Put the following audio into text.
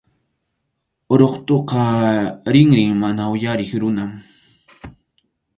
Ruqtʼuqa rinrin mana uyariq runam.